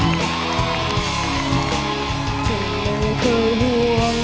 ที่ฉันยอมชุมเททุกอย่าง